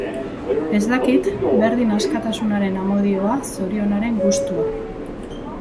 Ez dakit, berdin askatasunaren amodioa, zorionaren gustua.